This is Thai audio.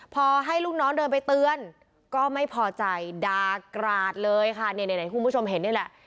พอให้ลูกน้องเดินไปเตือนก็ไม่พอใจด่ากราดเลยค่ะนี่คุณผู้ชมเห็นนี่แหละ